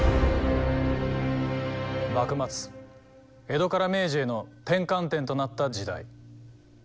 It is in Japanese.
江戸から明治への転換点となった時代。